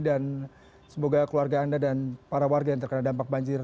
dan semoga keluarga anda dan para warga yang terkena dampak banjir